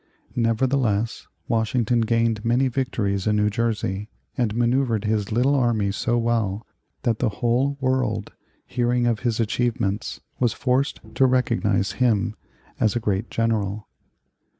Nevertheless, Washington gained many victories in New Jersey and manoeuvred his little army so well that the whole world, hearing of his achievements, was forced to recognize him as a great general.